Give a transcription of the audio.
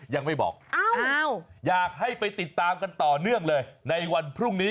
ยังไม่บอกอยากให้ไปติดตามกันต่อเนื่องเลยในวันพรุ่งนี้